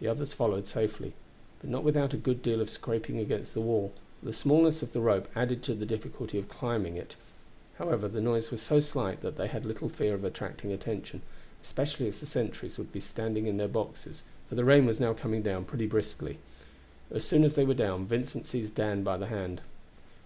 The others followed safely, but not without a good deal of scraping against the wall, for the smallness of the rope added to the difficulty of climbing it. However, the noise was so slight that they had little fear of attracting attention, especially as the sentries would be standing in their boxes, for the rain was now coming down pretty briskly. As soon as they were down Vincent seized Dan by the hand.